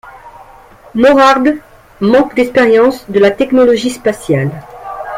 Morhard manque d'expérience de la technologie spatiale.